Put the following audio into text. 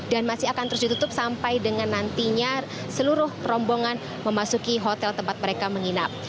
dan masih akan terus ditutup sampai dengan nantinya seluruh rombongan memasuki hotel tempat mereka menginap